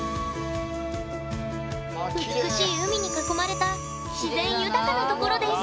美しい海に囲まれた自然豊かなところです。